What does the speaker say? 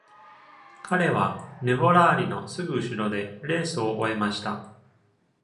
彼はヌヴォラーリのすぐ後ろでレースを終えました。